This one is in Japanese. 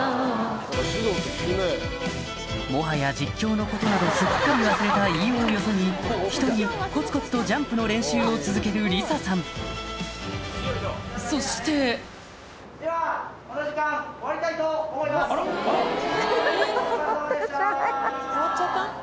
もはや実況のことなどすっかり忘れた飯尾をよそに一人コツコツとジャンプの練習を続ける里彩さんそしてハハハ！